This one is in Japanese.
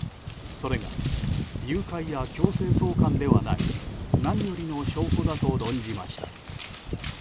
それが誘拐や強制送還ではない何よりの証拠だと論じました。